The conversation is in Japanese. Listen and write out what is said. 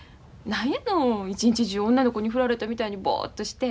何やの一日中女の子に振られたみたいにボッとして。